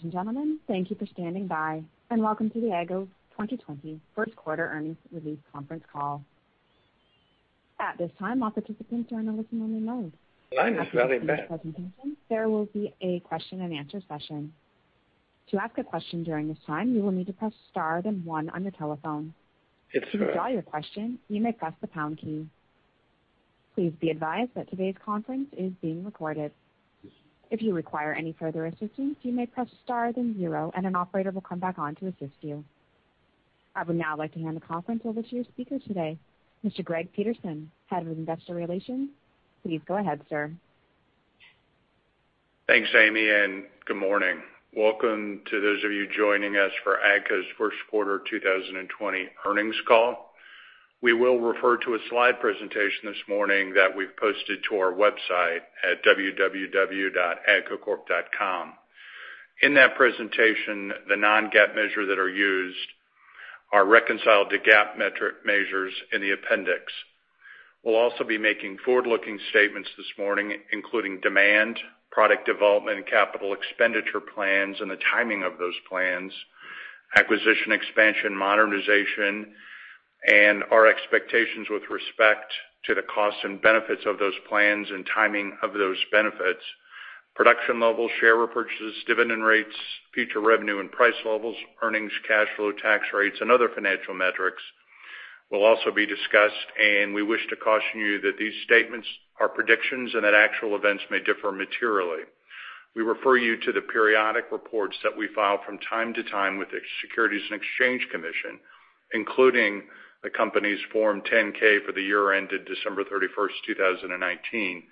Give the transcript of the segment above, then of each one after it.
Ladies and gentlemen, thank you for standing by, and welcome to the AGCO 2020 first quarter earnings release conference call. At this time, all participants are in a listen-only mode. Line is very bad. After the initial presentation, there will be a question-and-answer session. To ask a question during this time, you will need to press star then one on your telephone. It's- To withdraw your question, you may press the pound key. Please be advised that today's conference is being recorded. If you require any further assistance, you may press star then zero, and an operator will come back on to assist you. I would now like to hand the conference over to your speaker today, Mr. Greg Peterson, Head of Investor Relations. Please go ahead, sir. Thanks, Amy, and good morning. Welcome to those of you joining us for AGCO's first quarter 2020 earnings call. We will refer to a slide presentation this morning that we've posted to our website at agcocorp.com. In that presentation, the non-GAAP measures that are used are reconciled to GAAP measures in the appendix. We'll also be making forward-looking statements this morning, including demand, product development, and capital expenditure plans, and the timing of those plans, acquisition expansion, modernization, and our expectations with respect to the costs and benefits of those plans and timing of those benefits. Production levels, share repurchases, dividend rates, future revenue and price levels, earnings, cash flow, tax rates, and other financial metrics will also be discussed, and we wish to caution you that these statements are predictions and that actual events may differ materially. We refer you to the periodic reports that we file from time to time with the Securities and Exchange Commission, including the company's Form 10-K for the year ended 31st December 2019.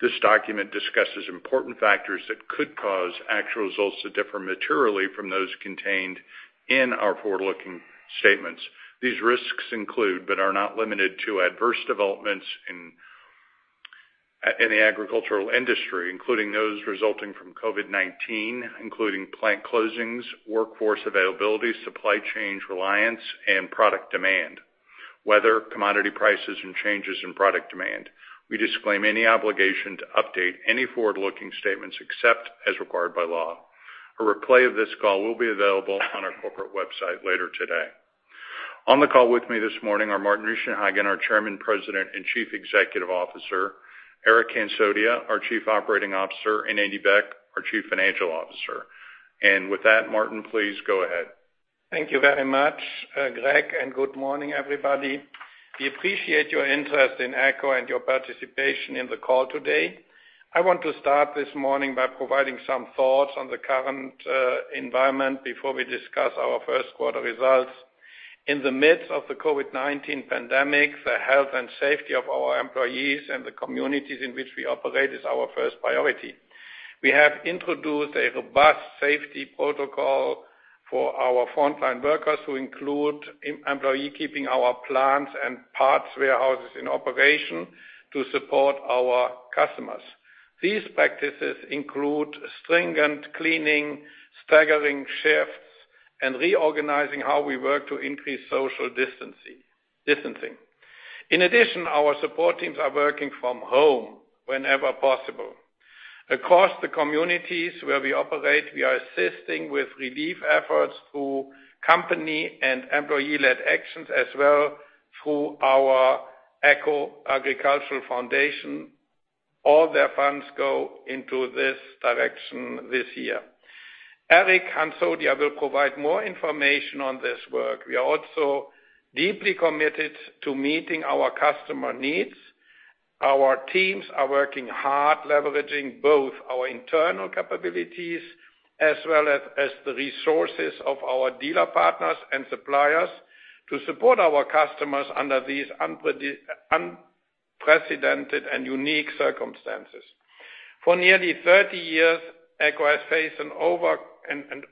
This document discusses important factors that could cause actual results to differ materially from those contained in our forward-looking statements. These risks include, but are not limited to, adverse developments in the agricultural industry, including those resulting from COVID-19, including plant closings, workforce availability, supply chain reliance, and product demand, weather, commodity prices, and changes in product demand. We disclaim any obligation to update any forward-looking statements except as required by law. A replay of this call will be available on our corporate website later today. On the call with me this morning are Martin Richenhagen, our Chairman, President, and Chief Executive Officer, Eric Hansotia, our Chief Operating Officer, and Andy Beck, our Chief Financial Officer. With that, Martin, please go ahead. Thank you very much, Greg. Good morning, everybody. We appreciate your interest in AGCO and your participation in the call today. I want to start this morning by providing some thoughts on the current environment before we discuss our first quarter results. In the midst of the COVID-19 pandemic, the health and safety of our employees and the communities in which we operate is our first priority. We have introduced a robust safety protocol for our frontline workers to include employee keeping our plants and parts warehouses in operation to support our customers. These practices include stringent cleaning, staggering shifts, and reorganizing how we work to increase social distancing. Our support teams are working from home whenever possible. Across the communities where we operate, we are assisting with relief efforts through company and employee-led actions as well through our AGCO Agriculture Foundation. All their funds go into this direction this year. Eric Hansotia will provide more information on this work. We are also deeply committed to meeting our customer needs. Our teams are working hard leveraging both our internal capabilities as well as the resources of our dealer partners and suppliers to support our customers under these unprecedented and unique circumstances. For nearly 30 years, AGCO has faced and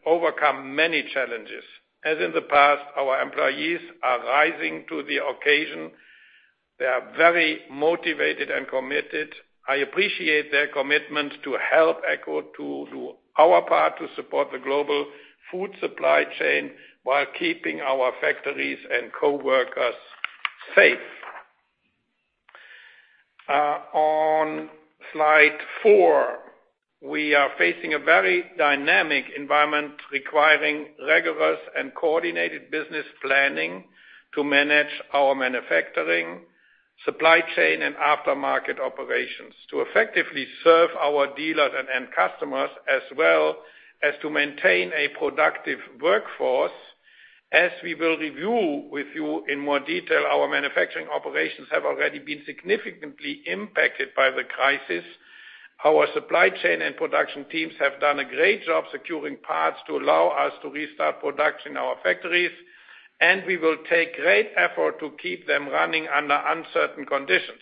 overcome many challenges. As in the past, our employees are rising to the occasion. They are very motivated and committed. I appreciate their commitment to help AGCO do our part to support the global food supply chain while keeping our factories and coworkers safe. On slide four, we are facing a very dynamic environment requiring rigorous and coordinated business planning to manage our manufacturing, supply chain, and aftermarket operations to effectively serve our dealers and end customers as well as to maintain a productive workforce. As we will review with you in more detail, our manufacturing operations have already been significantly impacted by the crisis. Our supply chain and production teams have done a great job securing parts to allow us to restart production in our factories. We will take great effort to keep them running under uncertain conditions.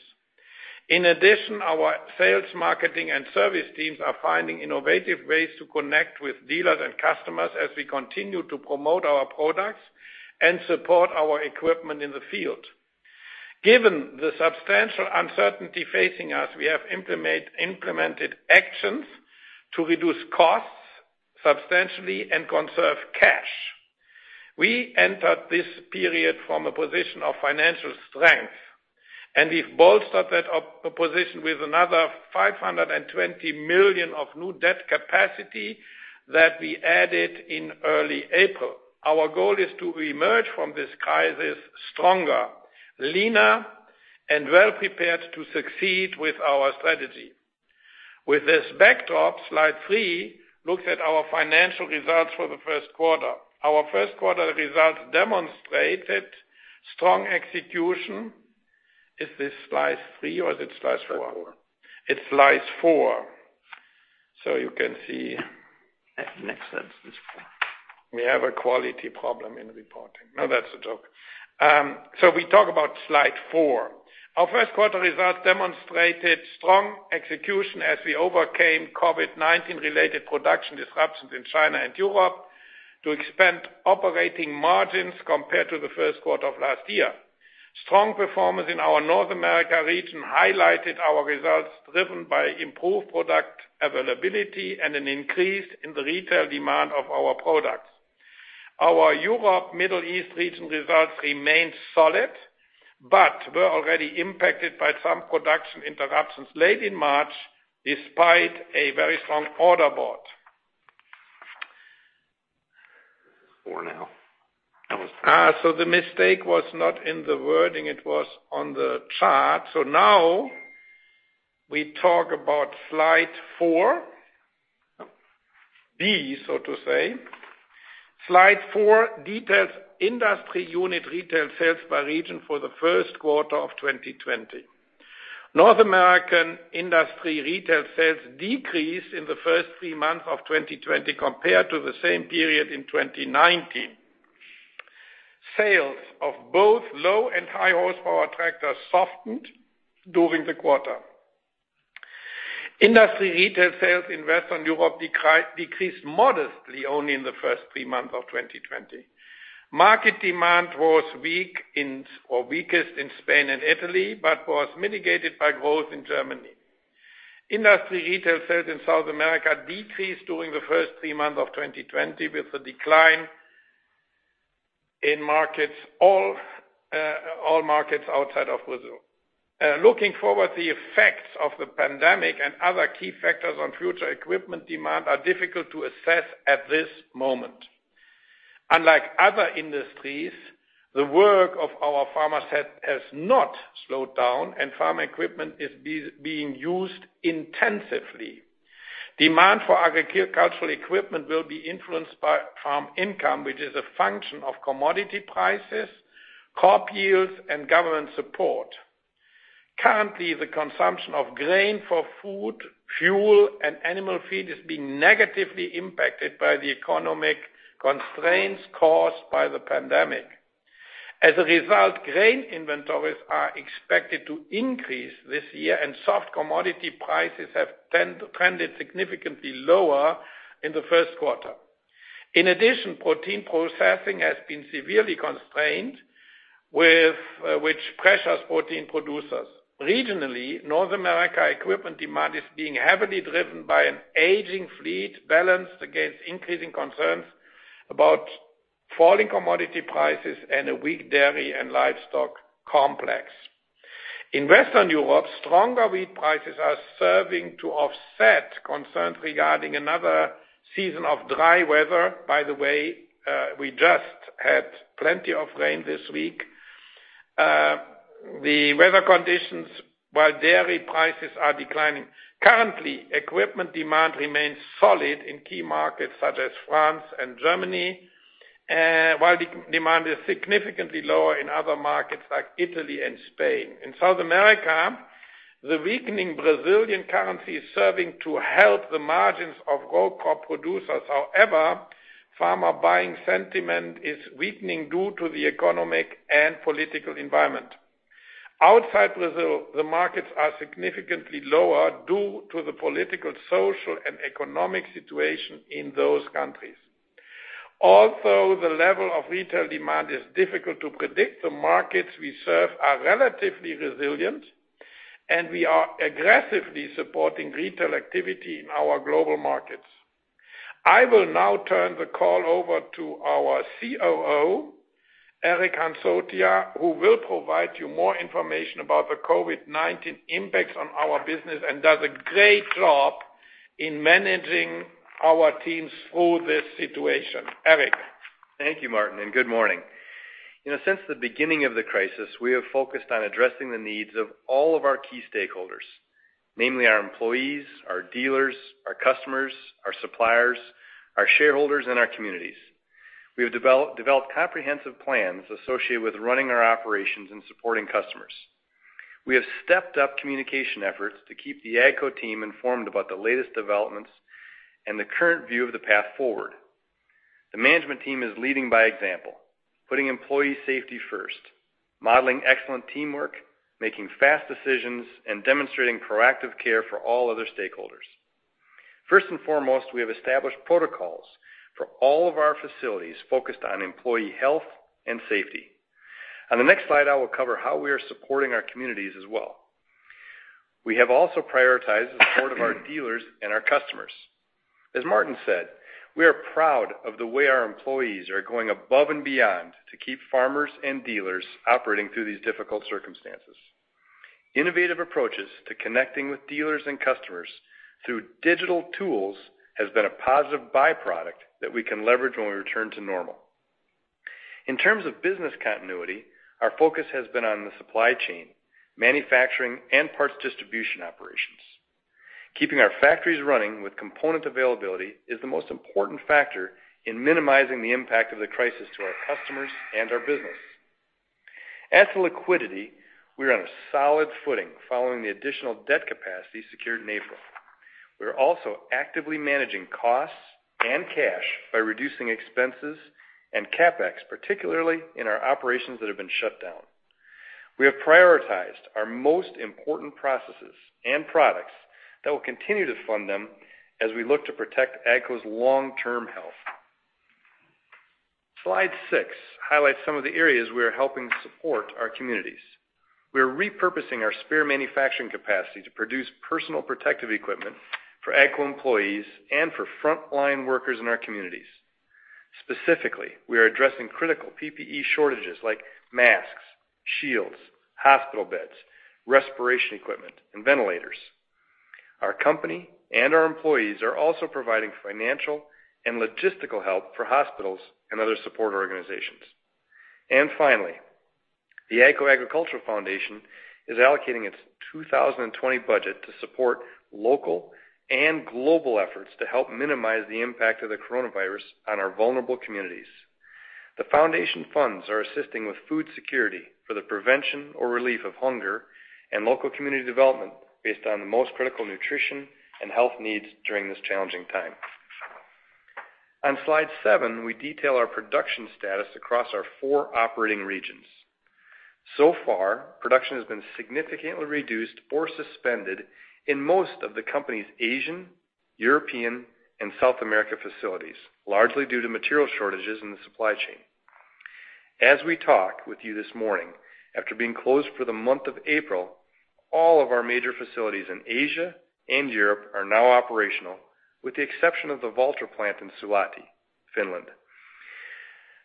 In addition, our sales, marketing, and service teams are finding innovative ways to connect with dealers and customers as we continue to promote our products and support our equipment in the field. Given the substantial uncertainty facing us, we have implemented actions to reduce costs substantially and conserve cash. We entered this period from a position of financial strength and we've bolstered that position with another $520 million of new debt capacity that we added in early April. Our goal is to reemerge from this crisis stronger, leaner, and well-prepared to succeed with our strategy. With this backdrop, slide three looks at our financial results for the first quarter. Our first quarter results demonstrated strong execution. Is this slide three or is it slide four? Four. It's slide four. You can see. Next slide is four. We have a quality problem in reporting. No, that's a joke. We talk about slide four. Our first quarter results demonstrated strong execution as we overcame COVID-19 related production disruptions in China and Europe to expand operating margins compared to the first quarter of last year. Strong performance in our North America region highlighted our results, driven by improved product availability and an increase in the retail demand of our products. Our Europe, Middle East region results remained solid, but were already impacted by some production interruptions late in March, despite a very strong order board. Four now. The mistake was not in the wording, it was on the chart. Now we talk about slide four, B, so to say. Slide four details industry unit retail sales by region for the first quarter of 2020. North American industry retail sales decreased in the first three months of 2020 compared to the same period in 2019. Sales of both low and high horsepower tractors softened during the quarter. Industry retail sales in Western Europe decreased modestly only in the first three months of 2020. Market demand was weakest in Spain and Italy, was mitigated by growth in Germany. Industry retail sales in South America decreased during the first three months of 2020 with a decline in all markets outside of Brazil. Looking forward, the effects of the pandemic and other key factors on future equipment demand are difficult to assess at this moment. Unlike other industries, the work of our farmer set has not slowed down and farm equipment is being used intensively. Demand for agricultural equipment will be influenced by farm income, which is a function of commodity prices, crop yields, and government support. Currently, the consumption of grain for food, fuel, and animal feed is being negatively impacted by the economic constraints caused by the pandemic. As a result, grain inventories are expected to increase this year, and soft commodity prices have tended significantly lower in the first quarter. In addition, protein processing has been severely constrained, which pressures protein producers. Regionally, North America equipment demand is being heavily driven by an aging fleet balanced against increasing concerns about falling commodity prices and a weak dairy and livestock complex. In Western Europe, stronger wheat prices are serving to offset concerns regarding another season of dry weather. By the way, we just had plenty of rain this week. The weather conditions, while dairy prices are declining. Currently, equipment demand remains solid in key markets such as France and Germany, while demand is significantly lower in other markets like Italy and Spain. In South America, the weakening Brazilian currency is serving to help the margins of row crop producers. However, farmer buying sentiment is weakening due to the economic and political environment. Outside Brazil, the markets are significantly lower due to the political, social, and economic situation in those countries. Although the level of retail demand is difficult to predict, the markets we serve are relatively resilient, and we are aggressively supporting retail activity in our global markets. I will now turn the call over to our COO, Eric Hansotia, who will provide you more information about the COVID-19 impacts on our business and does a great job in managing our teams through this situation. Eric? Thank you, Martin, and good morning. Since the beginning of the crisis, we have focused on addressing the needs of all of our key stakeholders, namely our employees, our dealers, our customers, our suppliers, our shareholders, and our communities. We have developed comprehensive plans associated with running our operations and supporting customers. We have stepped up communication efforts to keep the AGCO team informed about the latest developments and the current view of the path forward. The management team is leading by example, putting employee safety first, modeling excellent teamwork, making fast decisions, and demonstrating proactive care for all other stakeholders. First and foremost, we have established protocols for all of our facilities focused on employee health and safety. On the next slide, I will cover how we are supporting our communities as well. We have also prioritized the support of our dealers and our customers. As Martin said, we are proud of the way our employees are going above and beyond to keep farmers and dealers operating through these difficult circumstances. Innovative approaches to connecting with dealers and customers through digital tools has been a positive byproduct that we can leverage when we return to normal. In terms of business continuity, our focus has been on the supply chain, manufacturing, and parts distribution operations. Keeping our factories running with component availability is the most important factor in minimizing the impact of the crisis to our customers and our business. As to liquidity, we are on a solid footing following the additional debt capacity secured in April. We are also actively managing costs and cash by reducing expenses and CapEx, particularly in our operations that have been shut down. We have prioritized our most important processes and products that will continue to fund them as we look to protect AGCO's long-term health. Slide six highlights some of the areas we are helping support our communities. We are repurposing our spare manufacturing capacity to produce personal protective equipment for AGCO employees and for frontline workers in our communities. Specifically, we are addressing critical PPE shortages like masks, shields, hospital beds, respiration equipment, and ventilators. Our company and our employees are also providing financial and logistical help for hospitals and other support organizations. Finally, the AGCO Agriculture Foundation is allocating its 2020 budget to support local and global efforts to help minimize the impact of the coronavirus on our vulnerable communities. The foundation funds are assisting with food security for the prevention or relief of hunger and local community development based on the most critical nutrition and health needs during this challenging time. On slide seven, we detail our production status across our four operating regions. So far, production has been significantly reduced or suspended in most of the company's Asian, European, and South America facilities, largely due to material shortages in the supply chain. As we talk with you this morning, after being closed for the month of April, all of our major facilities in Asia and Europe are now operational, with the exception of the Valtra plant in Suolahti, Finland.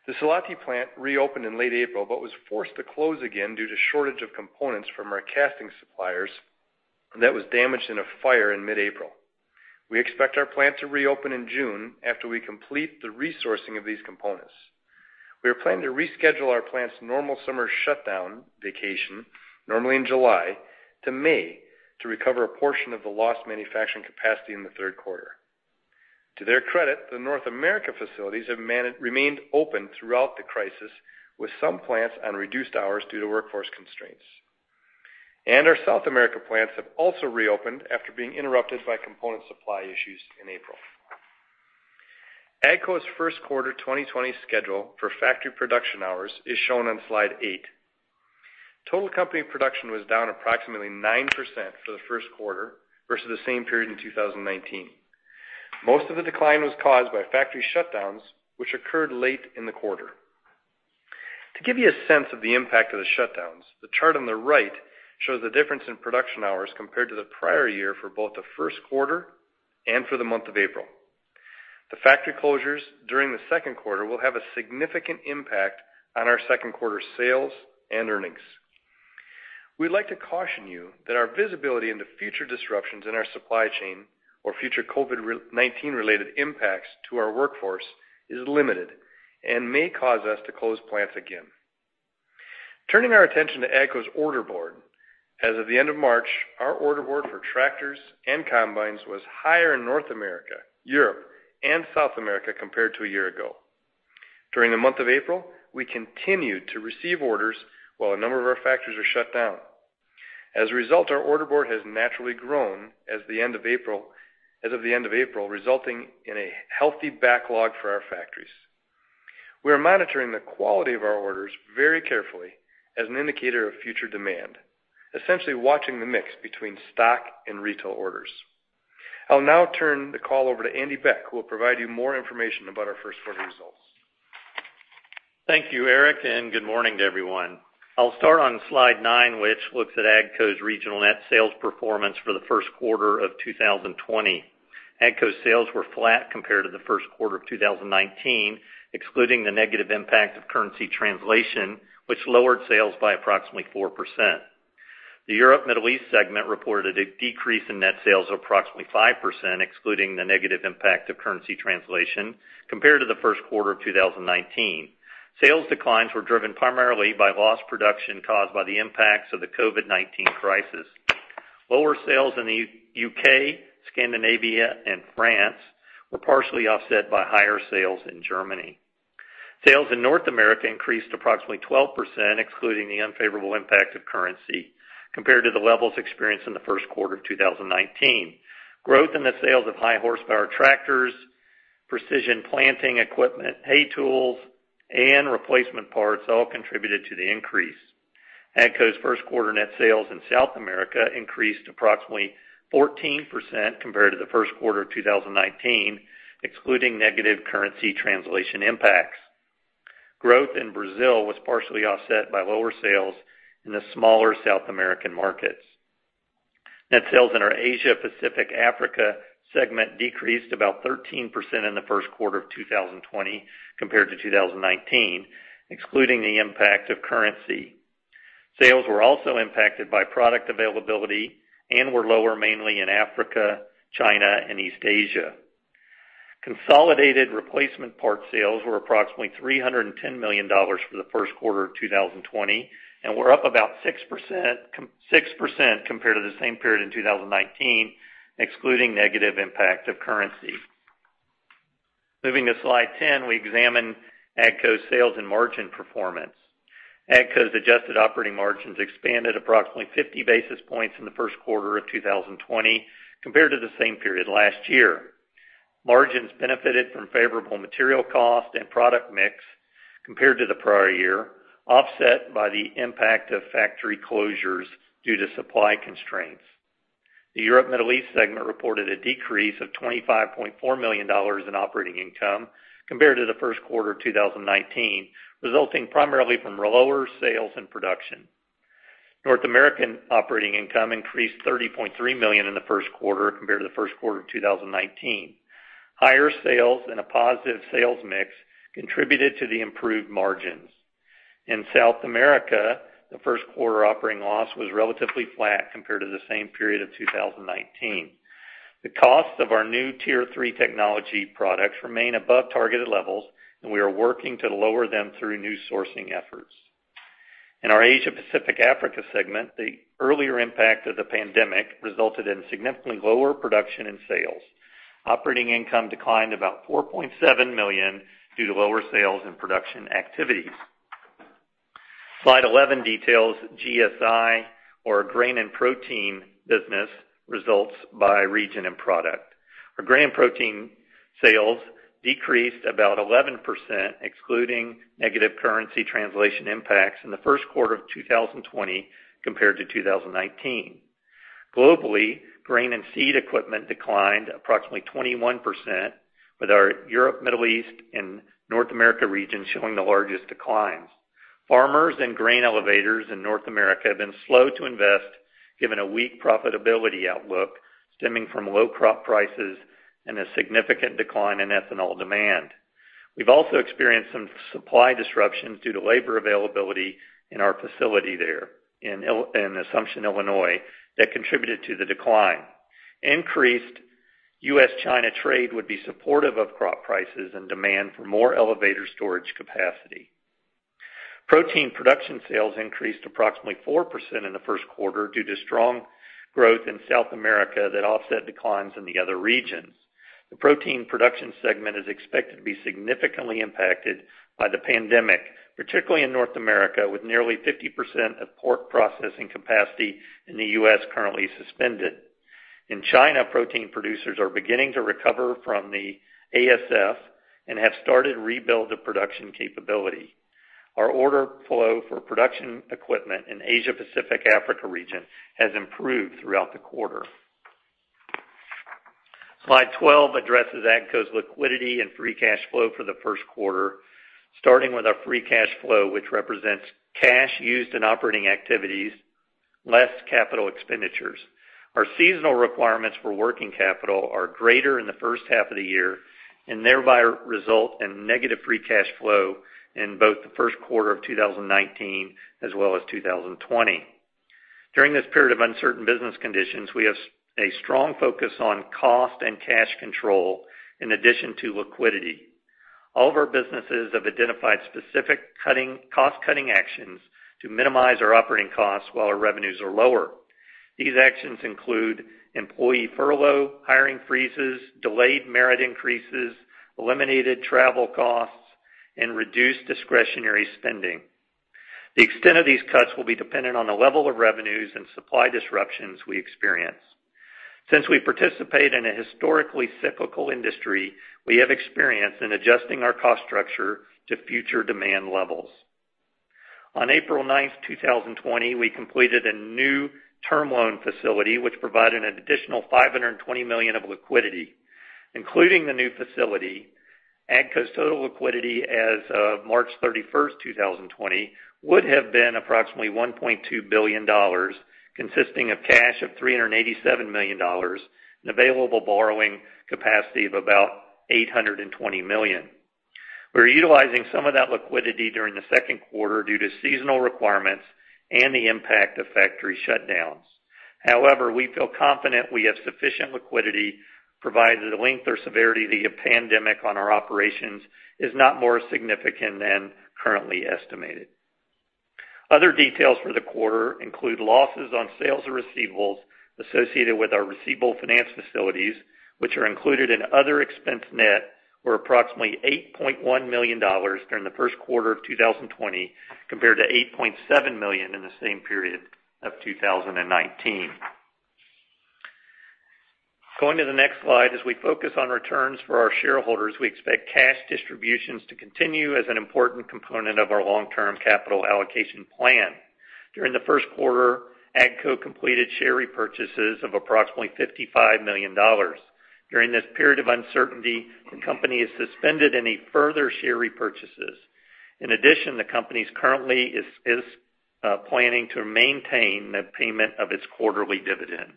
The Suolahti plant reopened in late April was forced to close again due to shortage of components from our casting suppliers that was damaged in a fire in mid-April. We expect our plant to reopen in June after we complete the resourcing of these components. We are planning to reschedule our plant's normal summer shutdown vacation, normally in July, to May to recover a portion of the lost manufacturing capacity in the third quarter. Our South America plants have also reopened after being interrupted by component supply issues in April. AGCO's first quarter 2020 schedule for factory production hours is shown on slide eight. Total company production was down approximately 9% for the first quarter versus the same period in 2019. Most of the decline was caused by factory shutdowns, which occurred late in the quarter. To give you a sense of the impact of the shutdowns, the chart on the right shows the difference in production hours compared to the prior year for both the first quarter and for the month of April. The factory closures during the second quarter will have a significant impact on our second quarter sales and earnings. We'd like to caution you that our visibility into future disruptions in our supply chain or future COVID-19 related impacts to our workforce is limited and may cause us to close plants again. Turning our attention to AGCO's order board. As of the end of March, our order board for tractors and combines was higher in North America, Europe, and South America compared to a year ago. During the month of April, we continued to receive orders while a number of our factories are shut down. As a result, our order board has naturally grown as of the end of April, resulting in a healthy backlog for our factories. We are monitoring the quality of our orders very carefully as an indicator of future demand, essentially watching the mix between stock and retail orders. I'll now turn the call over to Andy Beck, who will provide you more information about our first quarter results. Thank you, Eric, and good morning to everyone. I'll start on slide nine, which looks at AGCO's regional net sales performance for the first quarter of 2020. AGCO's sales were flat compared to the first quarter of 2019, excluding the negative impact of currency translation, which lowered sales by approximately 4%. The Europe Middle East segment reported a decrease in net sales of approximately 5%, excluding the negative impact of currency translation, compared to the first quarter of 2019. Sales declines were driven primarily by lost production caused by the impacts of the COVID-19 crisis. Lower sales in the U.K., Scandinavia, and France were partially offset by higher sales in Germany. Sales in North America increased approximately 12%, excluding the unfavorable impact of currency, compared to the levels experienced in the first quarter of 2019. Growth in the sales of high horsepower tractors, Precision Planting equipment, hay tools, and replacement parts all contributed to the increase. AGCO's first quarter net sales in South America increased approximately 14% compared to the first quarter of 2019, excluding negative currency translation impacts. Growth in Brazil was partially offset by lower sales in the smaller South American markets. Net sales in our Asia Pacific Africa segment decreased about 13% in the first quarter of 2020 compared to 2019, excluding the impact of currency. Sales were also impacted by product availability and were lower mainly in Africa, China, and East Asia. Consolidated replacement part sales were approximately $310 million for the first quarter of 2020, and were up about 6% compared to the same period in 2019, excluding negative impact of currency. Moving to slide 10, we examine AGCO's sales and margin performance. AGCO's adjusted operating margins expanded approximately 50 basis points in the first quarter of 2020 compared to the same period last year. Margins benefited from favorable material cost and product mix compared to the prior year, offset by the impact of factory closures due to supply constraints. The Europe Middle East segment reported a decrease of $25.4 million in operating income compared to the first quarter of 2019, resulting primarily from lower sales and production. North American operating income increased $30.3 million in the first quarter compared to the first quarter of 2019. Higher sales and a positive sales mix contributed to the improved margins. In South America, the first-quarter operating loss was relatively flat compared to the same period of 2019. The cost of our new Tier 3 technology products remain above targeted levels. We are working to lower them through new sourcing efforts. In our Asia Pacific Africa segment, the earlier impact of the pandemic resulted in significantly lower production and sales. Operating income declined about $4.7 million due to lower sales and production activities. Slide 11 details GSI, or grain and protein business results by region and product. Our grain protein sales decreased about 11%, excluding negative currency translation impacts in the first quarter of 2020 compared to 2019. Globally, grain and seed equipment declined approximately 21% with our Europe, Middle East, and North America region showing the largest declines. Farmers and grain elevators in North America have been slow to invest given a weak profitability outlook stemming from low crop prices and a significant decline in ethanol demand. We've also experienced some supply disruptions due to labor availability in our facility there in Assumption, Illinois, that contributed to the decline. Increased U.S.-China trade would be supportive of crop prices and demand for more elevator storage capacity. Protein production sales increased approximately 4% in the first quarter due to strong growth in South America that offset declines in the other regions. The protein production segment is expected to be significantly impacted by the pandemic, particularly in North America, with nearly 50% of pork processing capacity in the U.S. currently suspended. In China, protein producers are beginning to recover from the ASF and have started rebuild of production capability. Our order flow for production equipment in Asia Pacific Africa region has improved throughout the quarter. Slide 12 addresses AGCO's liquidity and free cash flow for the first quarter, starting with our free cash flow, which represents cash used in operating activities less capital expenditures. Our seasonal requirements for working capital are greater in the first half of the year and thereby result in negative free cash flow in both the first quarter of 2019 as well as 2020. During this period of uncertain business conditions, we have a strong focus on cost and cash control in addition to liquidity. All of our businesses have identified specific cost-cutting actions to minimize our operating costs while our revenues are lower. These actions include employee furlough, hiring freezes, delayed merit increases, eliminated travel costs, and reduced discretionary spending. The extent of these cuts will be dependent on the level of revenues and supply disruptions we experience. Since we participate in a historically cyclical industry, we have experience in adjusting our cost structure to future demand levels. On 9th April 2020, we completed a new term loan facility, which provided an additional $520 million of liquidity. Including the new facility, AGCO's total liquidity as of 31st March 2020, would have been approximately $1.2 billion, consisting of cash of $387 million and available borrowing capacity of about $820 million. We're utilizing some of that liquidity during the second quarter due to seasonal requirements and the impact of factory shutdowns. However, we feel confident we have sufficient liquidity provided the length or severity of the pandemic on our operations is not more significant than currently estimated. Other details for the quarter include losses on sales of receivables associated with our receivable finance facilities, which are included in other expense net, were approximately $8.1 million during the first quarter of 2020, compared to $8.7 million in the same period of 2019. Going to the next slide. As we focus on returns for our shareholders, we expect cash distributions to continue as an important component of our long-term capital allocation plan. During the first quarter, AGCO completed share repurchases of approximately $55 million. During this period of uncertainty, the company has suspended any further share repurchases. In addition, the company currently is planning to maintain the payment of its quarterly dividend.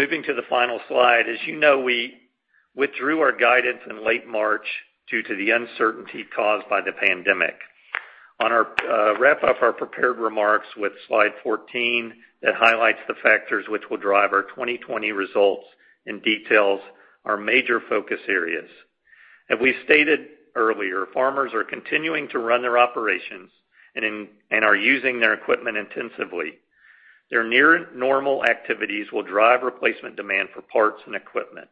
Moving to the final slide. As you know, we withdrew our guidance in late March due to the uncertainty caused by the pandemic. On our wrap-up, our prepared remarks with Slide 14 that highlights the factors which will drive our 2020 results and details our major focus areas. As we stated earlier, farmers are continuing to run their operations and are using their equipment intensively. Their near-normal activities will drive replacement demand for parts and equipment.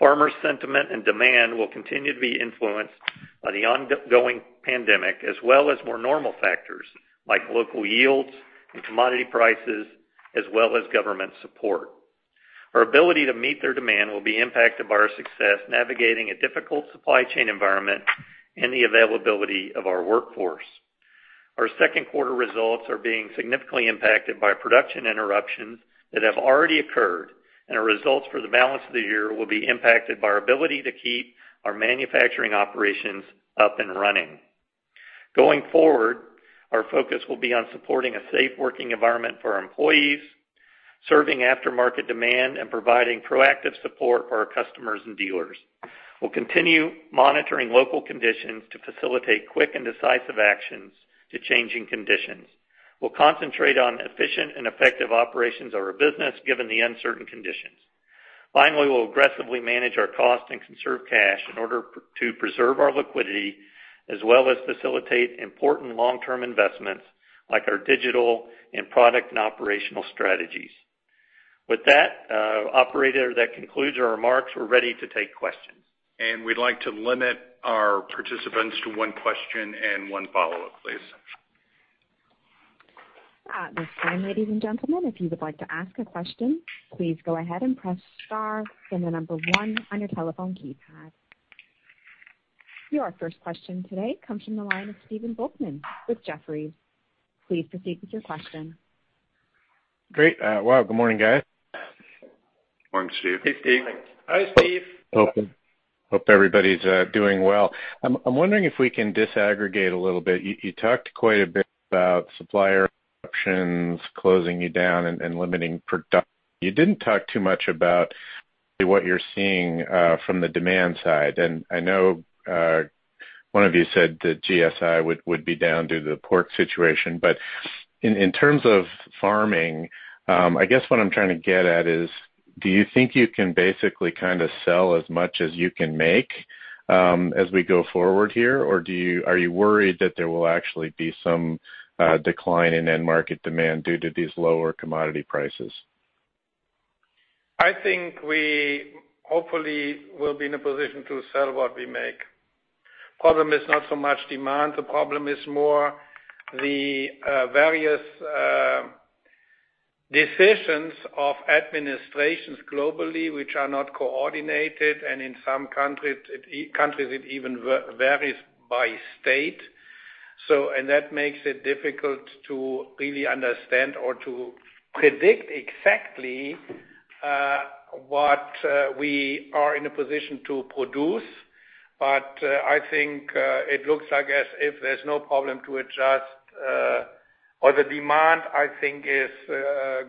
Farmer sentiment and demand will continue to be influenced by the ongoing pandemic, as well as more normal factors like local yields and commodity prices, as well as government support. Our ability to meet their demand will be impacted by our success navigating a difficult supply chain environment and the availability of our workforce. Our second quarter results are being significantly impacted by production interruptions that have already occurred, and our results for the balance of the year will be impacted by our ability to keep our manufacturing operations up and running. Going forward, our focus will be on supporting a safe working environment for our employees, serving aftermarket demand, and providing proactive support for our customers and dealers. We'll continue monitoring local conditions to facilitate quick and decisive actions to changing conditions. We'll concentrate on efficient and effective operations of our business, given the uncertain conditions. Finally, we'll aggressively manage our cost and conserve cash in order to preserve our liquidity as well as facilitate important long-term investments like our digital and product and operational strategies. With that, operator, that concludes our remarks. We're ready to take questions. We'd like to limit our participants to one question and one follow-up, please. At this time, ladies and gentlemen, if you would like to ask a question, please go ahead and press star, then the number one on your telephone keypad. Your first question today comes from the line of Stephen Volkmann with Jefferies. Please proceed with your question. Great. Well, good morning, guys. Morning, Steve. Hey, Steve. Hi, Steve. Hope everybody's doing well. I'm wondering if we can disaggregate a little bit. You talked quite a bit about supplier options closing you down and limiting production. You didn't talk too much about what you're seeing from the demand side. I know one of you said that GSI would be down due to the port situation. In terms of farming, I guess what I'm trying to get at is, do you think you can basically sell as much as you can make as we go forward here? Are you worried that there will actually be some decline in end market demand due to these lower commodity prices? I think we hopefully will be in a position to sell what we make. Problem is not so much demand. The problem is more the various decisions of administrations globally which are not coordinated, and in some countries, it even varies by state. That makes it difficult to really understand or to predict exactly what we are in a position to produce. I think it looks like as if there's no problem to adjust. The demand, I think, is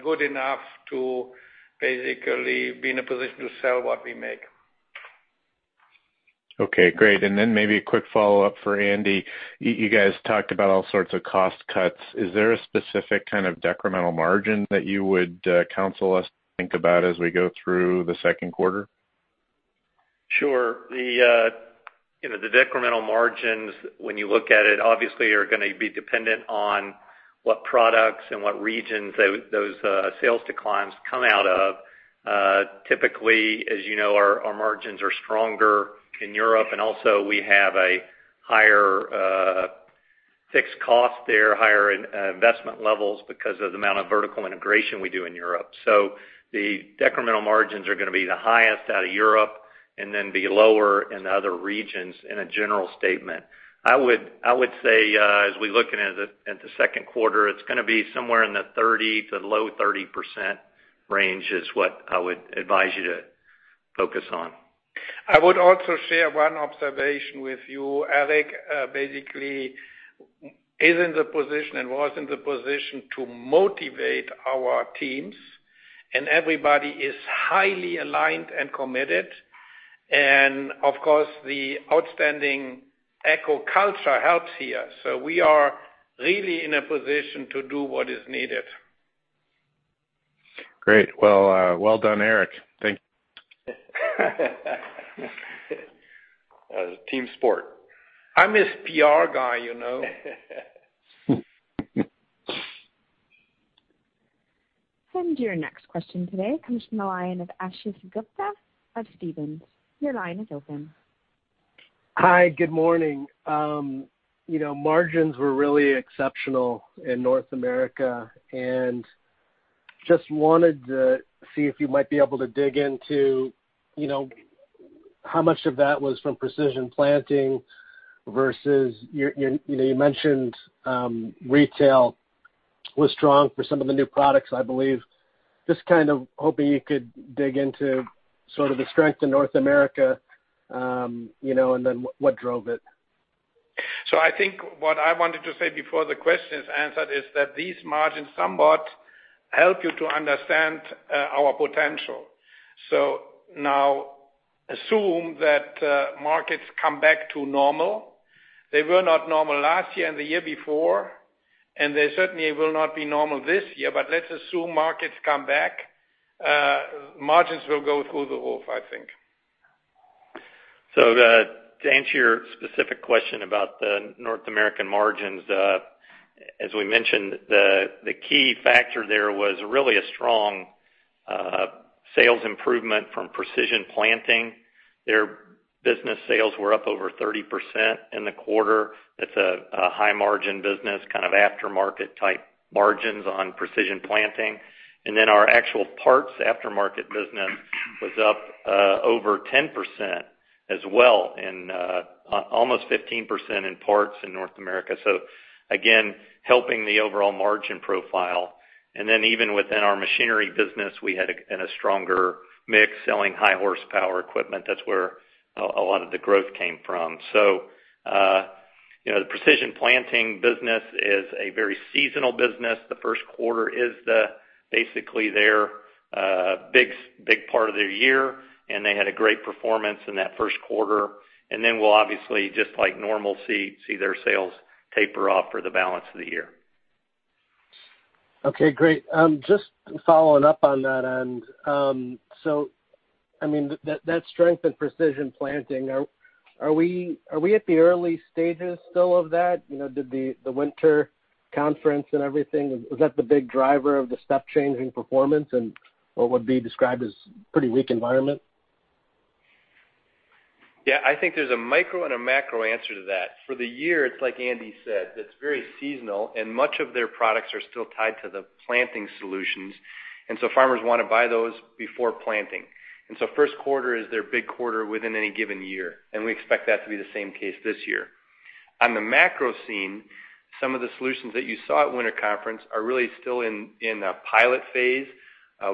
good enough to basically be in a position to sell what we make. Okay, great. Then maybe a quick follow-up for Andy. You guys talked about all sorts of cost cuts. Is there a specific kind of decremental margin that you would counsel us to think about as we go through the second quarter? Sure. The decremental margins, when you look at it, obviously, are going to be dependent on what products and what regions those sales declines come out of. Typically, as you know, our margins are stronger in Europe, and also we have a higher fixed cost there, higher investment levels because of the amount of vertical integration we do in Europe. The decremental margins are going to be the highest out of Europe and then be lower in other regions in a general statement. I would say, as we look at the second quarter, it's going to be somewhere in the 30% to low 30% range is what I would advise you to focus on. I would also share one observation with you. Eric basically is in the position and was in the position to motivate our teams, and everybody is highly aligned and committed. Of course, the outstanding AGCO culture helps here. We are really in a position to do what is needed. Great. Well done, Eric. Thank you. Team sport. I'm his PR guy you know. Your next question today comes from the line of Ashish Gupta of Stephens. Your line is open. Hi, good morning. Margins were really exceptional in North America. Just wanted to see if you might be able to dig into how much of that was from Precision Planting versus, you mentioned retail was strong for some of the new products, I believe. Just kind of hoping you could dig into sort of the strength in North America, and then what drove it. I think what I wanted to say before the question is answered is that these margins somewhat help you to understand our potential. Now assume that markets come back to normal. They were not normal last year and the year before, and they certainly will not be normal this year. Let's assume markets come back. Margins will go through the roof, I think. To answer your specific question about the North American margins, as we mentioned, the key factor there was really a strong sales improvement from Precision Planting. Their business sales were up over 30% in the quarter. That's a high margin business, kind of aftermarket type margins on Precision Planting. Our actual parts aftermarket business was up over 10% as well, and almost 15% in parts in North America. Again, helping the overall margin profile. Even within our machinery business, we had a stronger mix selling high horsepower equipment. That's where a lot of the growth came from. The Precision Planting business is a very seasonal business. The first quarter is basically their big part of their year, and they had a great performance in that first quarter. We'll obviously, just like normal, see their sales taper off for the balance of the year. Okay, great. Just following up on that end. That strength in Precision Planting, are we at the early stages still of that? Did the Winter Conference and everything, is that the big driver of the step change in performance in what would be described as pretty weak environment? Yeah, I think there's a micro and a macro answer to that. For the year, it's like Andy said, it's very seasonal, and much of their products are still tied to the planting solutions. Farmers want to buy those before planting. First quarter is their big quarter within any given year, and we expect that to be the same case this year. On the macro scene, some of the solutions that you saw at Winter Conference are really still in a pilot phase.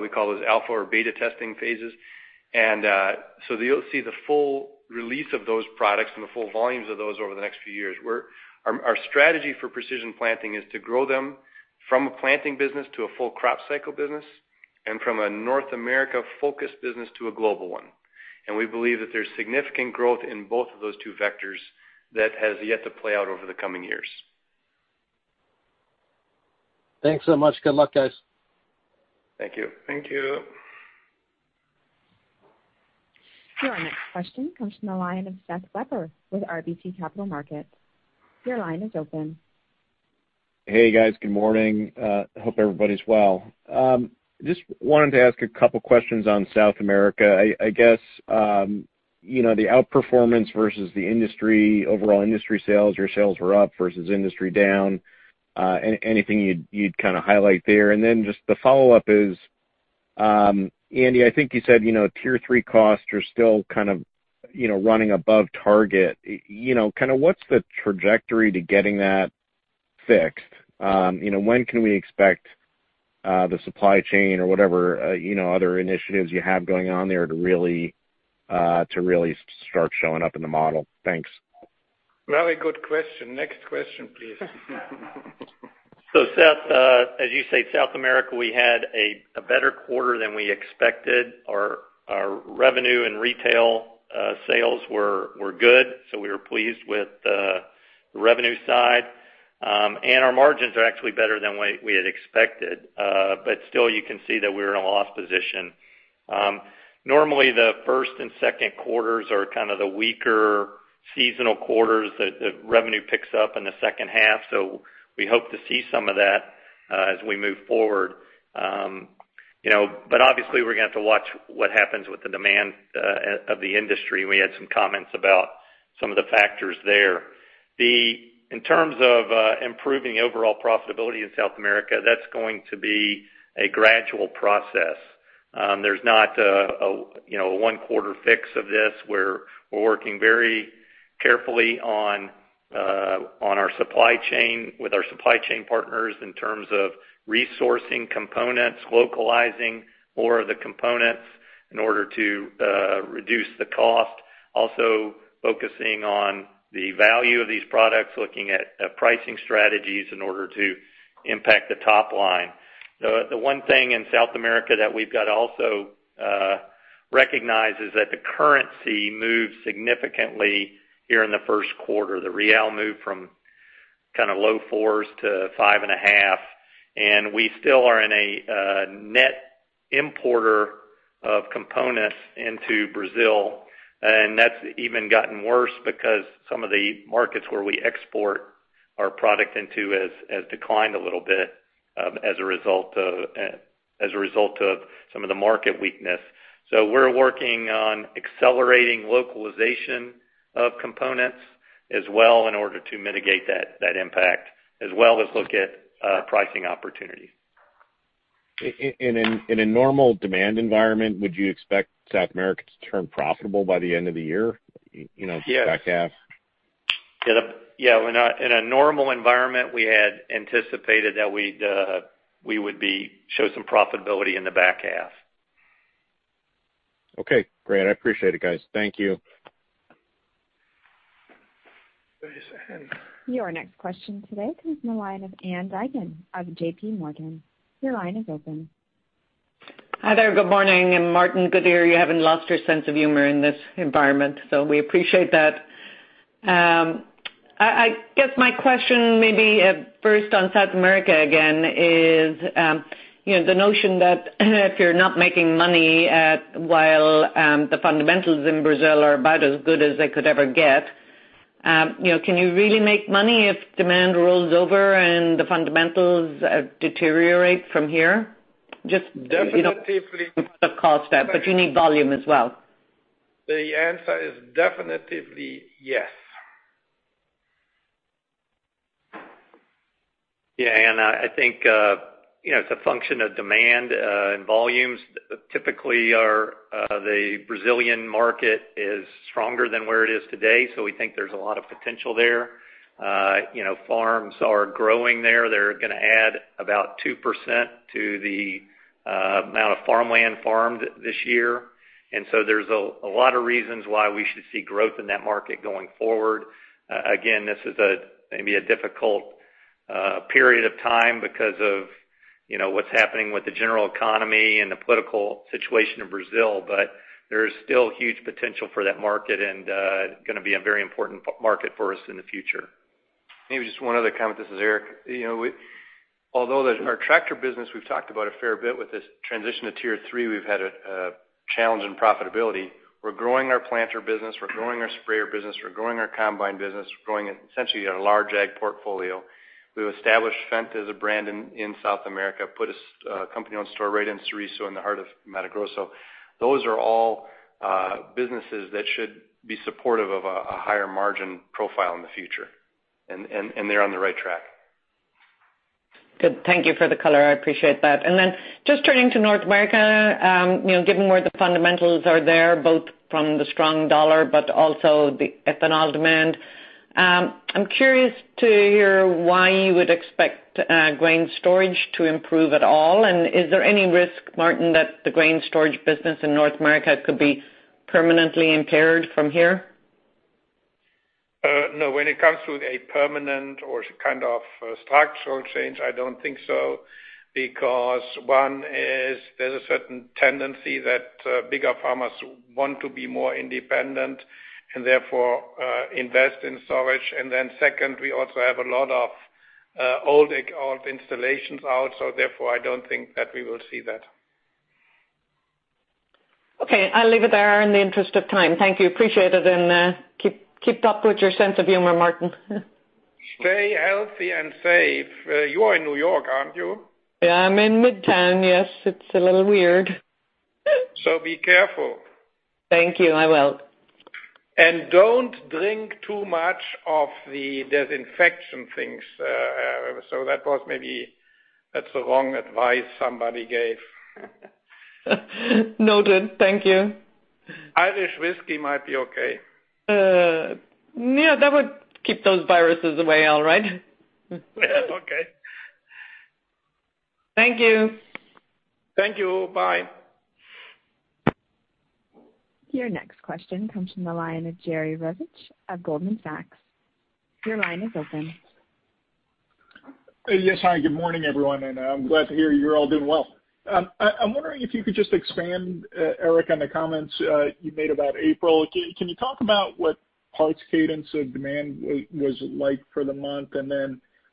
We call those alpha or beta testing phases. You'll see the full release of those products and the full volumes of those over the next few years. Our strategy for Precision Planting is to grow them from a planting business to a full crop cycle business, and from a North America focused business to a global one. We believe that there's significant growth in both of those two vectors that has yet to play out over the coming years. Thanks so much. Good luck, guys. Thank you. Thank you. Your next question comes from the line of Seth Weber with RBC Capital Markets. Your line is open. Hey, guys. Good morning. Hope everybody's well. Just wanted to ask a couple questions on South America. I guess, the outperformance versus the industry, overall industry sales, your sales were up versus industry down. Anything you'd kind of highlight there? Then just the follow-up is, Andy, I think you said Tier 3 costs are still kind of running above target. What's the trajectory to getting that fixed? When can we expect the supply chain or whatever other initiatives you have going on there to really start showing up in the model? Thanks. Very good question. Next question, please. Seth, as you say, South America, we had a better quarter than we expected. Our revenue and retail sales were good. We were pleased with the revenue side. Our margins are actually better than what we had expected. Still, you can see that we're in a loss position. Normally, the first and second quarters are kind of the weaker seasonal quarters that revenue picks up in the second half. We hope to see some of that as we move forward. Obviously, we're going to have to watch what happens with the demand of the industry. We had some comments about some of the factors there. In terms of improving overall profitability in South America, that's going to be a gradual process. There's not a one quarter fix of this. We're working very carefully on our supply chain with our supply chain partners in terms of resourcing components, localizing more of the components in order to reduce the cost. Focusing on the value of these products, looking at pricing strategies in order to impact the top line. The one thing in South America that we've got to also recognize is that the currency moved significantly here in the first quarter. The real moved from kind of low fours to five and a half. We still are in a net importer of components into Brazil, and that's even gotten worse because some of the markets where we export our product into has declined a little bit as a result of some of the market weakness. We're working on accelerating localization of components as well in order to mitigate that impact as well as look at pricing opportunity. In a normal demand environment, would you expect South America to turn profitable by the end of the year? Yes. Back half? Yeah. In a normal environment, we had anticipated that we would show some profitability in the back half. Okay, great. I appreciate it, guys. Thank you. One second. Your next question today comes from the line of Ann Duignan of JPMorgan. Your line is open. Hi there. Good morning, Martin good to hear. You haven't lost your sense of humor in this environment, so we appreciate that. I guess my question may be first on South America again is, the notion that if you're not making money while the fundamentals in Brazil are about as good as they could ever get. Can you really make money if demand rolls over and the fundamentals deteriorate from here? Definitively. The cost but you need volume as well. The answer is definitively yes. Yeah. I think it's a function of demand and volumes. Typically, the Brazilian market is stronger than where it is today, so we think there's a lot of potential there. Farms are growing there. They're gonna add about 2% to the amount of farmland farmed this year. There's a lot of reasons why we should see growth in that market going forward. Again, this is maybe a difficult period of time because of what's happening with the general economy and the political situation in Brazil. There is still huge potential for that market and gonna be a very important market for us in the future. Maybe just one other comment. This is Eric. Although our tractor business, we've talked about a fair bit with this transition to Tier 3 we've had a challenge in profitability. We're growing our planter business. We're growing our sprayer business. We're growing our combine business. We're growing essentially a large ag portfolio. We've established Fendt as a brand in South America, put a company-owned store right in Sorriso in the heart of Mato Grosso. Those are all businesses that should be supportive of a higher margin profile in the future. They're on the right track. Good. Thank you for the color. I appreciate that. Then just turning to North America, given where the fundamentals are there, both from the strong dollar, but also the ethanol demand. I'm curious to hear why you would expect grain storage to improve at all. Is there any risk, Martin, that the grain storage business in North America could be permanently impaired from here? No. When it comes to a permanent or kind of structural change, I don't think so. One is there's a certain tendency that bigger farmers want to be more independent and therefore, invest in storage. Second, we also have a lot of old installations out, therefore I don't think that we will see that. Okay. I'll leave it there in the interest of time. Thank you. Appreciate it. Keep up with your sense of humor, Martin. Stay healthy and safe. You are in New York, aren't you? Yeah, I'm in Midtown. Yes. It's a little weird. Be careful. Thank you. I will. Don't drink too much of the disinfection things. That was maybe that's the wrong advice somebody gave. Noted. Thank you. Irish whiskey might be okay. Yeah, that would keep those viruses away all right. Okay. Thank you. Thank you. Bye. Your next question comes from the line of Jerry Revich of Goldman Sachs. Your line is open. Yes. Hi, good morning, everyone. I'm glad to hear you're all doing well. I'm wondering if you could just expand, Eric, on the comments you made about April. Can you talk about what parts cadence of demand was like for the month?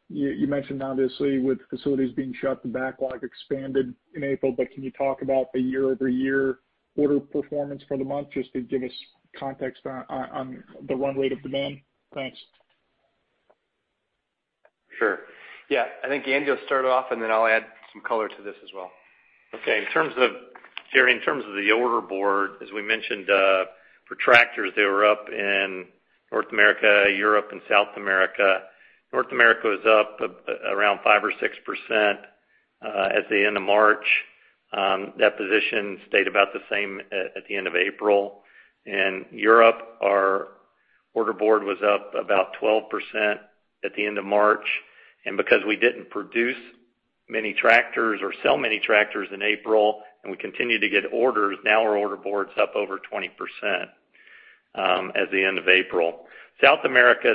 You mentioned obviously with facilities being shut, the backlog expanded in April. Can you talk about the year-over-year order performance for the month just to give us context on the run rate of demand? Thanks. Sure. Yeah. I think, Andy, will start off and then I'll add some color to this as well. Okay. Jerry, in terms of the order board, as we mentioned, for tractors, they were up in North America, Europe, and South America. North America was up around 5% or 6% at the end of March. That position stayed about the same at the end of April. In Europe, our order board was up about 12% at the end of March. Because we didn't produce many tractors or sell many tractors in April, and we continued to get orders, now our order board's up over 20% at the end of April. South America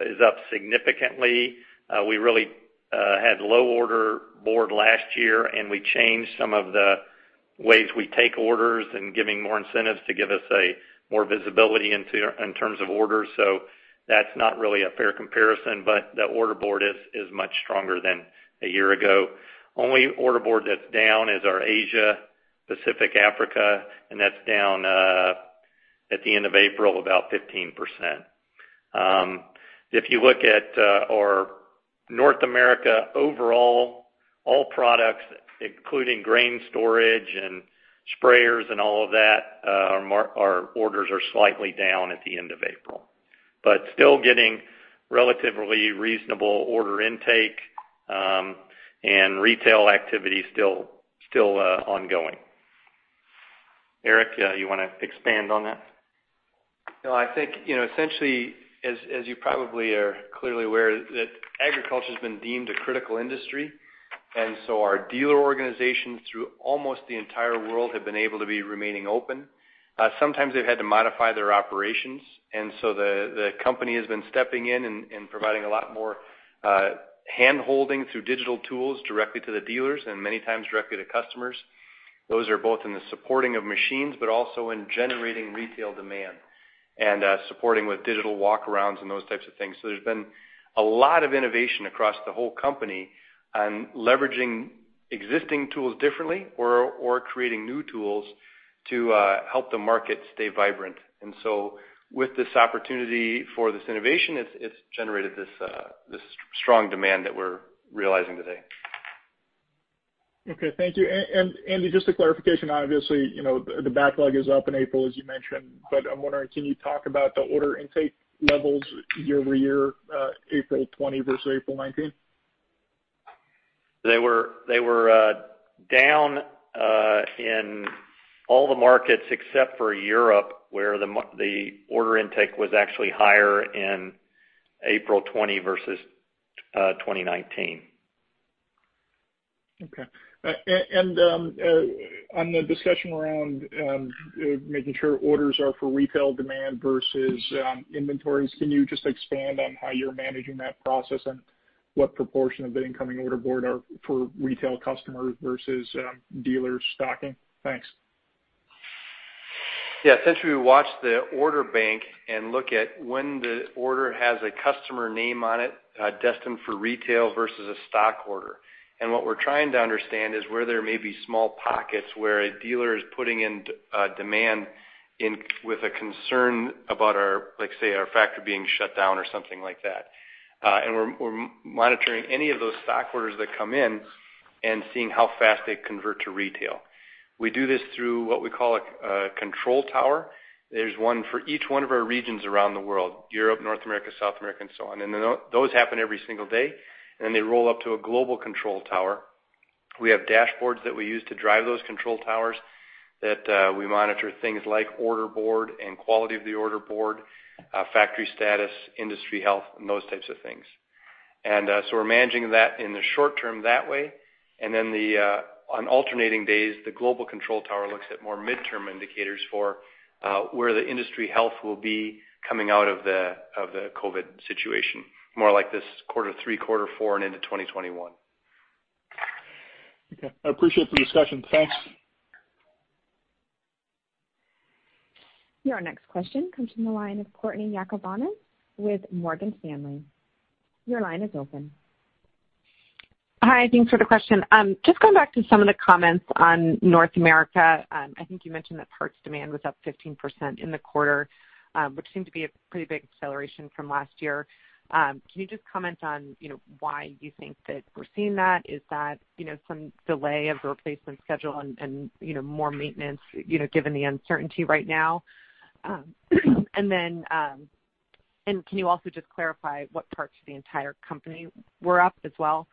is up significantly. We really had low order board last year, and we changed some of the ways we take orders and giving more incentives to give us more visibility in terms of orders. That's not really a fair comparison, but the order board is much stronger than a year ago. Only order board that's down is our Asia, Pacific, Africa, and that's down, at the end of April, about 15%. If you look at our North America overall, all products, including grain storage and sprayers and all of that, our orders are slightly down at the end of April. Still getting relatively reasonable order intake, and retail activity is still ongoing. Eric, you want to expand on that? No, I think, essentially, as you probably are clearly aware, that agriculture's been deemed a critical industry. Our dealer organizations through almost the entire world have been able to be remaining open. Sometimes they've had to modify their operations, the company has been stepping in and providing a lot more hand-holding through digital tools directly to the dealers and many times directly to customers. Those are both in the supporting of machines, also in generating retail demand and supporting with digital walk-arounds and those types of things. There's been a lot of innovation across the whole company on leveraging existing tools differently or creating new tools to help the market stay vibrant. With this opportunity for this innovation, it's generated this strong demand that we're realizing today. Okay, thank you. Andy, just a clarification. Obviously, the backlog is up in April, as you mentioned, but I'm wondering, can you talk about the order intake levels year-over-year, April 2020 versus April 2019? They were down in all the markets except for Europe, where the order intake was actually higher in April 2020 versus 2019. Okay. On the discussion around making sure orders are for retail demand versus inventories, can you just expand on how you're managing that process and what proportion of the incoming order board are for retail customers versus dealer stocking? Thanks. Yeah. Essentially, we watch the order bank and look at when the order has a customer name on it destined for retail versus a stock order. What we're trying to understand is where there may be small pockets where a dealer is putting in demand with a concern about our, let's say, our factory being shut down or something like that. We're monitoring any of those stock orders that come in and seeing how fast they convert to retail. We do this through what we call a control tower. There's one for each one of our regions around the world, Europe, North America, South America, and so on. Those happen every single day, and they roll up to a global control tower. We have dashboards that we use to drive those control towers, that we monitor things like order board and quality of the order board, factory status, industry health, and those types of things. We're managing that in the short term that way, and then on alternating days, the global control tower looks at more midterm indicators for where the industry health will be coming out of the COVID-19 situation, more like this quarter three, quarter four, and into 2021. Okay. I appreciate the discussion. Thanks. Your next question comes from the line of Courtney Yakavonis with Morgan Stanley. Your line is open. Hi, thanks for the question. Just going back to some of the comments on North America. I think you mentioned that parts demand was up 15% in the quarter, which seemed to be a pretty big acceleration from last year. Can you just comment on why you think that we're seeing that? Is that some delay of the replacement schedule and more maintenance, given the uncertainty right now? Can you also just clarify what parts of the entire company were up as well?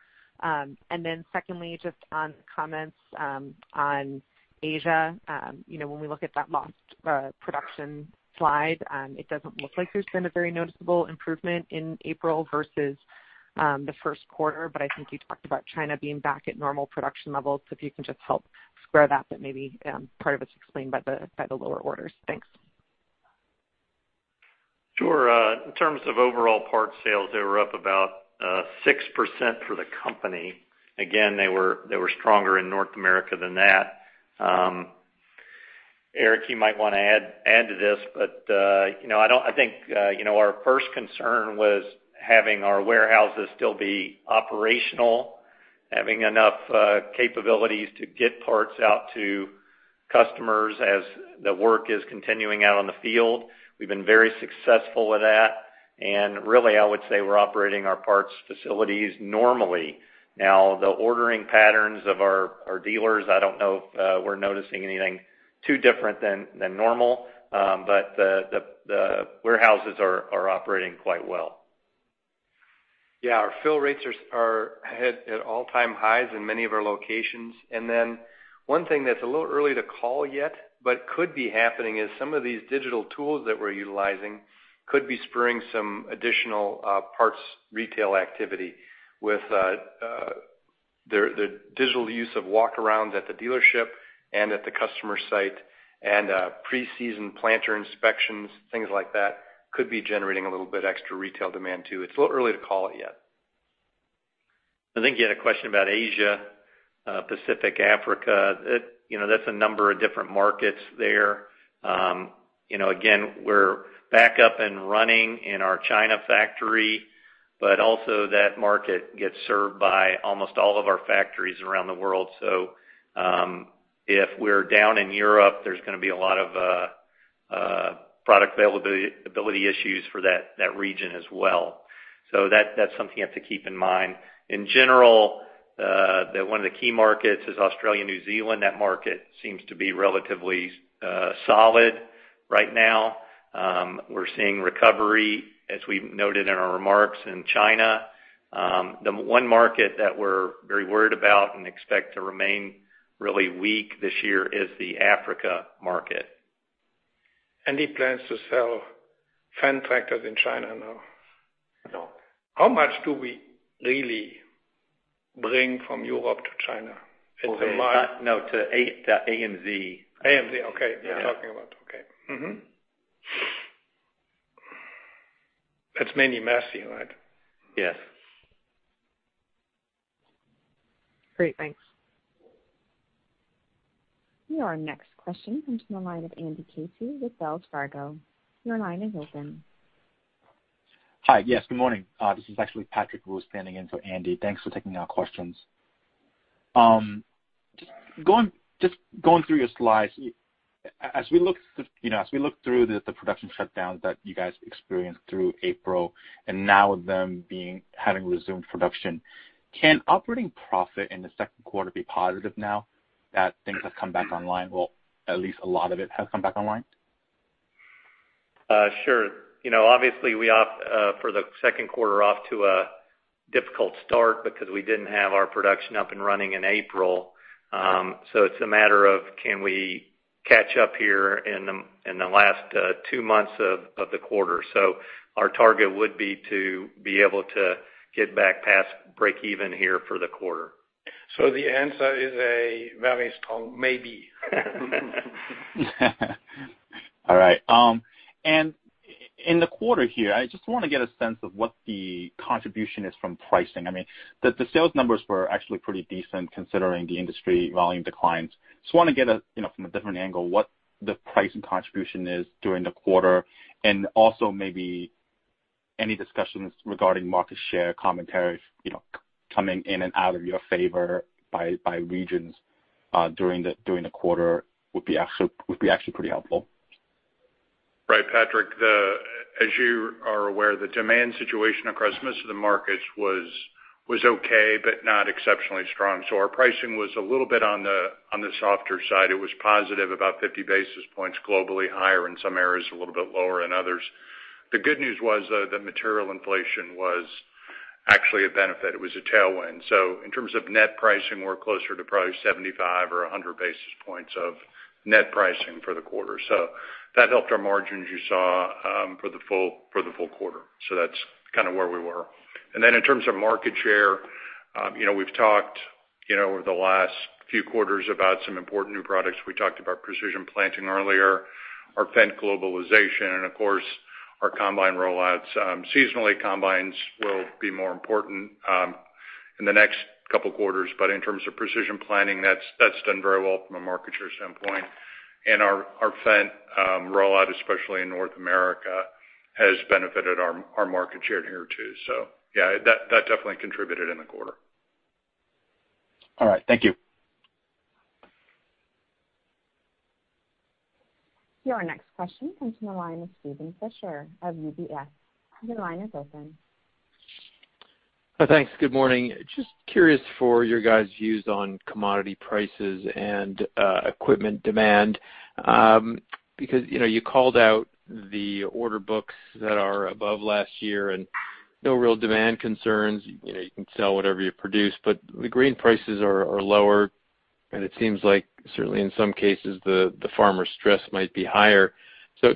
Secondly, just on the comments on Asia. When we look at that lost production slide, it doesn't look like there's been a very noticeable improvement in April versus the first quarter. I think you talked about China being back at normal production levels. If you can just help square that maybe part of it's explained by the lower orders. Thanks. Sure. In terms of overall parts sales, they were up about 6% for the company. Again, they were stronger in North America than that. Eric, you might want to add to this, but I think our first concern was having our warehouses still be operational, having enough capabilities to get parts out to customers as the work is continuing out on the field. We've been very successful with that, and really, I would say we're operating our parts facilities normally. Now, the ordering patterns of our dealers, I don't know if we're noticing anything too different than normal. The warehouses are operating quite well. Yeah. Our fill rates are at all-time highs in many of our locations. One thing that's a little early to call yet, but could be happening, is some of these digital tools that we're utilizing could be spurring some additional parts retail activity with the digital use of walk-arounds at the dealership and at the customer site and pre-season planter inspections, things like that, could be generating a little bit extra retail demand, too. It's a little early to call it yet. I think you had a question about Asia, Pacific, Africa. That's a number of different markets there. We're back up and running in our China factory, but also that market gets served by almost all of our factories around the world. If we're down in Europe, there's going to be a lot of product availability issues for that region as well. That's something you have to keep in mind. In general, one of the key markets is Australia, New Zealand. That market seems to be relatively solid right now. We're seeing recovery, as we noted in our remarks in China. The one market that we're very worried about and expect to remain really weak this year is the Africa market. Any plans to sell Fendt tractors in China now? No. How much do we really bring from Europe to China? No, to ANZ. ANZ. Okay. You're talking about Okay. That's mainly Massey, right? Yes. Great. Thanks. Your next question comes from the line of Andy Casey with Wells Fargo. Your line is open. Hi. Yes, good morning. This is actually Patrick Wu standing in for Andy. Thanks for taking our questions. Going through your slides, as we look through the production shutdowns that you guys experienced through April and now them having resumed production, can operating profit in the second quarter be positive now that things have come back online? At least a lot of it has come back online. Sure. Obviously, we opt for the second quarter off to a difficult start because we didn't have our production up and running in April. It's a matter of can we catch up here in the last two months of the quarter. Our target would be to be able to get back past break even here for the quarter. The answer is a very strong maybe. All right. In the quarter here, I just want to get a sense of what the contribution is from pricing. The sales numbers were actually pretty decent considering the industry volume declines. I just want to get, from a different angle, what the pricing contribution is during the quarter. Also maybe any discussions regarding market share commentary coming in and out of your favor by regions during the quarter would be actually pretty helpful. Right, Patrick. As you are aware, the demand situation across most of the markets was okay, but not exceptionally strong. Our pricing was a little bit on the softer side. It was positive about 50 basis points globally, higher in some areas, a little bit lower in others. The good news was, though, the material inflation was actually a benefit. It was a tailwind. In terms of net pricing, we're closer to probably 75 or 100 basis points of net pricing for the quarter. That helped our margins you saw for the full quarter. That's kind of where we were. In terms of market share, we've talked over the last few quarters about some important new products. We talked about Precision Planting earlier, our Fendt globalization, and of course, our combine rollouts. Seasonally, combines will be more important in the next couple quarters. In terms of Precision Planting, that's done very well from a market share standpoint. Our Fendt rollout, especially in North America, has benefited our market share here, too. Yeah, that definitely contributed in the quarter. All right. Thank you. Your next question comes from the line of Steven Fisher of UBS. Your line is open. Thanks. Good morning. Just curious for your guys' views on commodity prices and equipment demand. Because you called out the order books that are above last year and no real demand concerns. You can sell whatever you produce, but the grain prices are lower, and it seems like certainly in some cases, the farmer stress might be higher.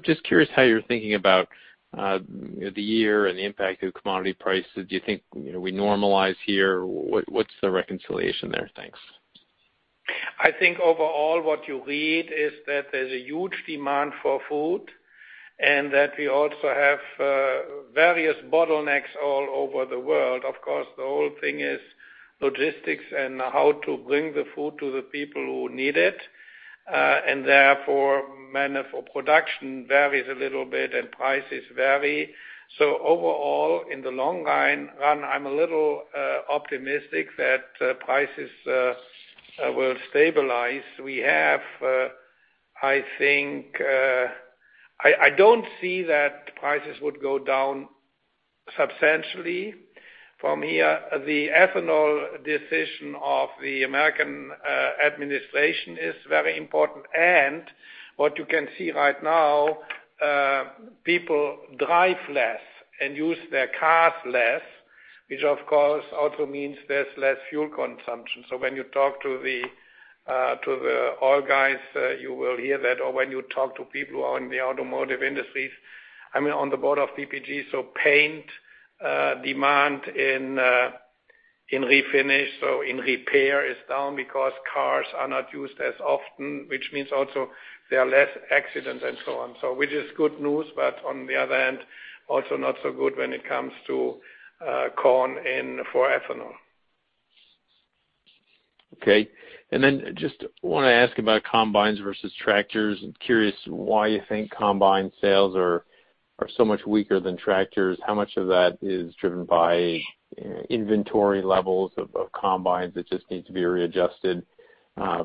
Just curious how you're thinking about the year and the impact of commodity prices. Do you think we normalize here? What's the reconciliation there? Thanks. I think overall, what you read is that there's a huge demand for food and that we also have various bottlenecks all over the world. Of course, the whole thing is logistics and how to bring the food to the people who need it. Therefore, manner for production varies a little bit and prices vary. Overall, in the long run, I'm a little optimistic that prices will stabilize. I don't see that prices would go down substantially from here. The ethanol decision of the American administration is very important, and what you can see right now, people drive less and use their cars less, which of course also means there's less fuel consumption. When you talk to the oil guys, you will hear that, or when you talk to people who are in the automotive industries. I'm on the board of PPG. Paint demand in refinish or in repair is down because cars are not used as often, which means also there are less accidents and so on, which is good news, but on the other hand, also not so good when it comes to corn for ethanol. Okay. Just want to ask about combines versus tractors. Curious why you think combine sales are so much weaker than tractors. How much of that is driven by inventory levels of combines that just need to be readjusted,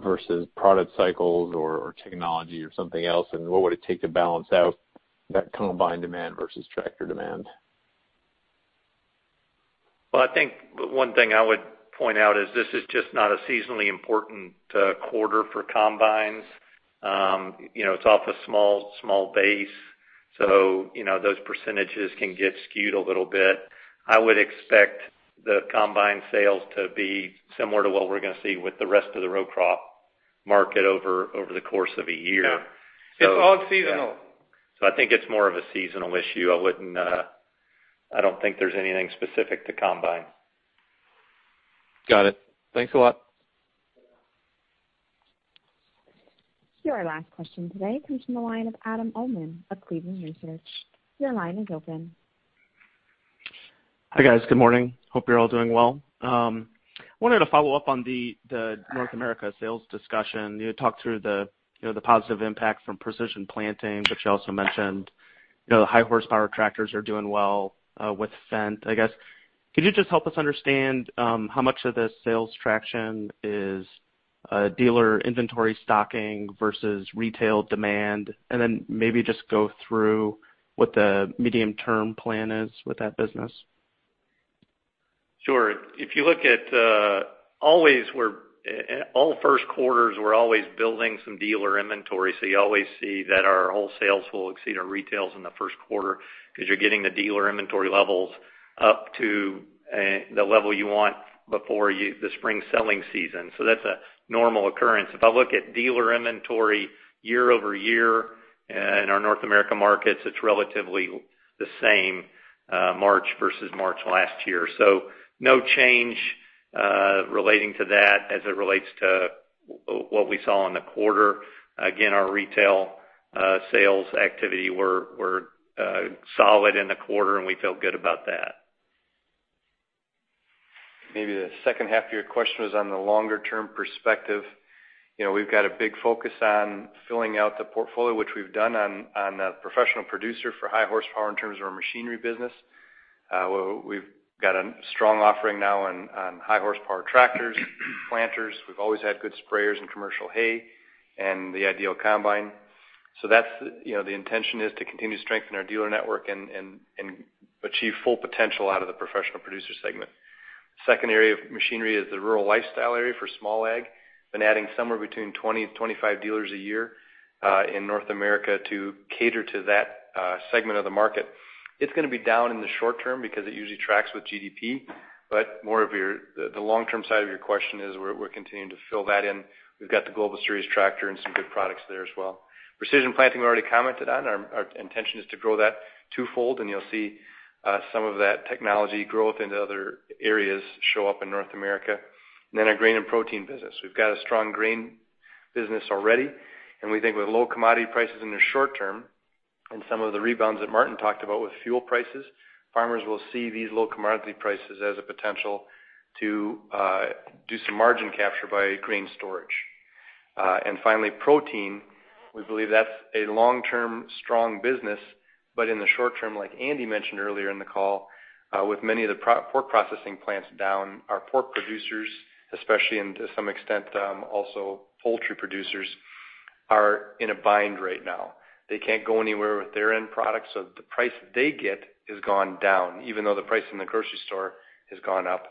versus product cycles or technology or something else? What would it take to balance out that combine demand versus tractor demand? Well, I think one thing I would point out is this is just not a seasonally important quarter for combines. It's off a small base, so those percentages can get skewed a little bit. I would expect the combine sales to be similar to what we're going to see with the rest of the row crop market over the course of a year. Yeah. It's all seasonal. I think it's more of a seasonal issue. I don't think there's anything specific to combine. Got it. Thanks a lot. Your last question today comes from the line of Adam Uhlman of Cleveland Research. Your line is open. Hi, guys. Good morning. Hope you're all doing well. Wanted to follow up on the North America sales discussion. You had talked through the positive impact from Precision Planting, but you also mentioned the high horsepower tractors are doing well with Fendt. I guess, could you just help us understand how much of the sales traction is dealer inventory stocking versus retail demand? Then maybe just go through what the medium-term plan is with that business. If you look at All first quarters, we're always building some dealer inventory. You always see that our wholesale sales will exceed our retails in the first quarter because you're getting the dealer inventory levels up to the level you want before the spring selling season. That's a normal occurrence. If I look at dealer inventory year-over-year in our North America markets, it's relatively the same March versus March last year. No change relating to that as it relates to what we saw in the quarter. Again, our retail sales activity were solid in the quarter, and we feel good about that. Maybe the second half of your question was on the longer term perspective. We've got a big focus on filling out the portfolio, which we've done on the professional producer for high horsepower in terms of our machinery business. We've got a strong offering now on high horsepower tractors, planters. We've always had good sprayers and commercial hay and the IDEAL combine. The intention is to continue to strengthen our dealer network and achieve full potential out of the professional producer segment. Second area of machinery is the rural lifestyle area for small ag. Been adding somewhere between 20 to 25 dealers a year in North America to cater to that segment of the market. It's going to be down in the short term because it usually tracks with GDP, more of the long-term side of your question is we're continuing to fill that in. We've got the Global Series tractor and some good products there as well. Precision Planting, we already commented on. Our intention is to grow that twofold. You'll see some of that technology growth into other areas show up in North America. Our grain and protein business. We've got a strong grain business already. We think with low commodity prices in the short term and some of the rebounds that Martin talked about with fuel prices, farmers will see these low commodity prices as a potential to do some margin capture via grain storage. Finally, protein. We believe that's a long-term strong business. In the short term, like Andy mentioned earlier in the call, with many of the pork processing plants down, our pork producers, especially and to some extent, also poultry producers, are in a bind right now. They can't go anywhere with their end product, so the price they get has gone down, even though the price in the grocery store has gone up.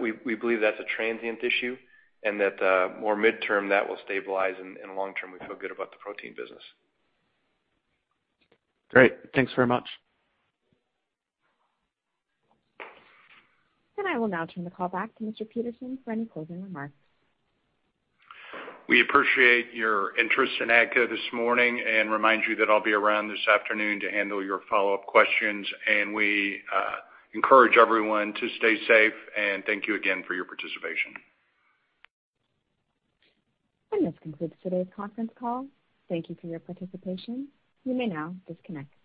We believe that's a transient issue and that more midterm that will stabilize, and long term, we feel good about the protein business. Great. Thanks very much. I will now turn the call back to Mr. Peterson for any closing remarks. We appreciate your interest in AGCO this morning and remind you that I'll be around this afternoon to handle your follow-up questions. We encourage everyone to stay safe, and thank you again for your participation. This concludes today's conference call. Thank you for your participation. You may now disconnect.